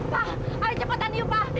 pak ayo cepetan yuk pak